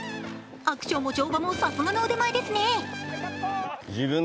アクションも乗馬もさすがの腕前ですね。